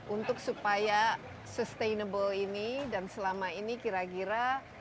untuk supaya sustainable ini dan selama ini kira kira